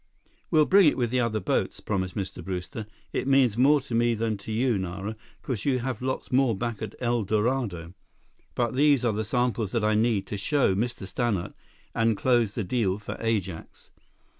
"We'll bring it with the other boats," promised Mr. Brewster. "It means more to me than to you, Nara, because you have lots more back at El Dorado. But these are the samples that I need to show Mr. Stannart and close the deal for Ajax."